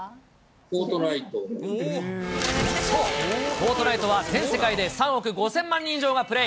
フォートナイトはそう、フォートナイトは、全世界で３億５０００万人以上がプレイ。